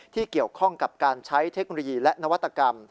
ที่เกี่ยวข้องกับการใช้เทคโนโลยีและนวัตกรรม